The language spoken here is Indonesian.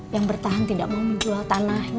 yang bertahan tidak mau menjual tanah